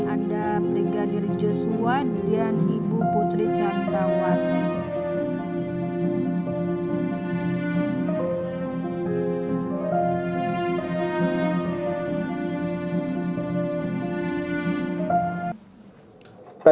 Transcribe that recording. ada brigadir joshua dan ibu putri candrawati